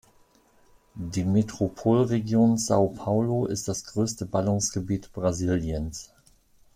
Die Metropolregion São Paulo ist das größte Ballungsgebiet Brasiliens.